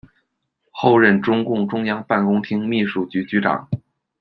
后任中共中央办公厅秘书局局长。